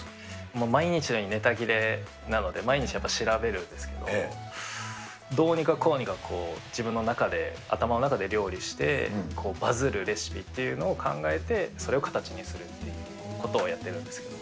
毎日のようにネタ切れなので、毎日やっぱり調べるんですけど、どうにかこうにか、自分の中で、頭の中で料理して、バズるレシピというのを考えて、それを形にするっていうことをやってるんですけれども。